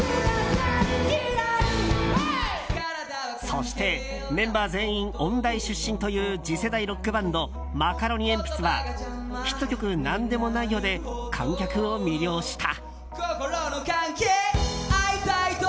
そして、メンバー全員音大出身という次世代ロックバンドマカロニえんぴつはヒット曲「なんでもないよ、」で観客を魅了した。